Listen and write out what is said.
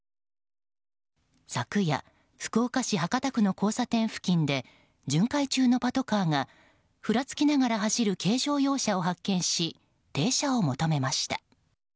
昨夜、福岡市博多区の交差点付近で巡回中のパトカーがふらつきながら走る軽乗用車を発見し停車を求めました。